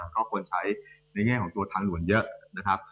ก็ควรใช้ในแง่ของตัวทางด่วนเยอะนะครับ